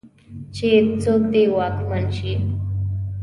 چې څوک دې واکمن شي.